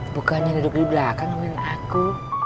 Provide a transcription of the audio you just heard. bukannya duduk di belakang namanya aku